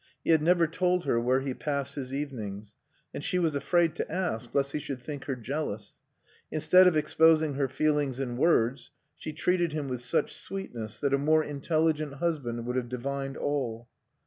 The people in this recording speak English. He had never told her where he passed his evenings. And she was afraid to ask, lest he should think her jealous. Instead of exposing her feelings in words, she treated him with such sweetness that a more intelligent husband would have divined all.